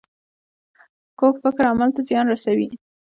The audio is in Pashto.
کوږ فکر عمل ته زیان رسوي